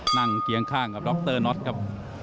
เคียงข้างกับดรน็อตครับ